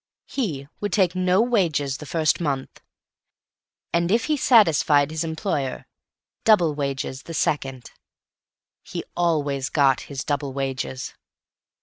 He would take no wages the first month, and—if he satisfied his employer—double wages the second. He always got his double wages.